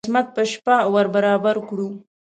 قسمت په شپه ور برابر کړو.